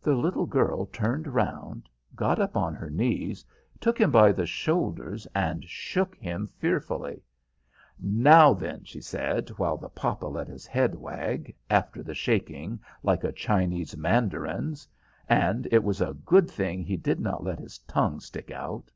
The little girl turned round, got up on her knees, took him by the shoulders, and shook him fearfully. "Now, then," she said, while the papa let his head wag, after the shaking, like a Chinese mandarin's, and it was a good thing he did not let his tongue stick out.